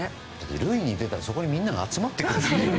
塁に出たらそこにみんなが集まってくるという。